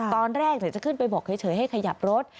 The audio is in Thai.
ตอนแรกจะขึ้นไปบอกเฉยให้ขยับรถ